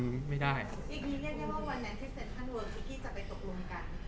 แล้วคือจะไม่ได้เอาหนองพี่สิบไปให้พี่ตายในวันนั้น